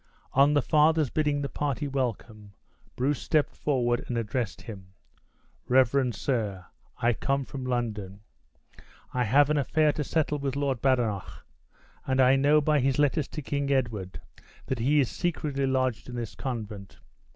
On the father's bidding the party welcome, Bruce stepped forward and addressed him: "Reverend sir, I come from London. I have an affair to settle with Lord Badenoch; and I know by his letters to King Edward, that he is secretly lodged in this convent.